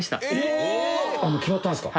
もう決まったんですか？